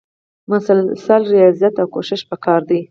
مسلسل ریاضت او کوښښ پکار دی.